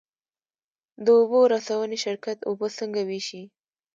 د اوبو رسونې شرکت اوبه څنګه ویشي؟